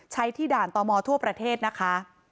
ที่ด่านต่อมอทั่วประเทศนะคะ